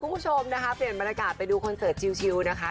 คุณผู้ชมนะคะเปลี่ยนบรรยากาศไปดูคอนเสิร์ตชิลนะคะ